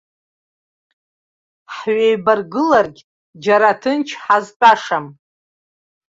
Ҳҩеибаргыларгь, џьара ҭынч ҳазтәашам.